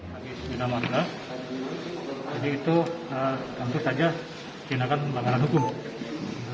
pagi segini mandor jadi itu tentu saja jenakan pelanggaran hukum